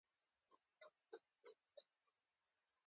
ماشومان په نه خوړو عادت ول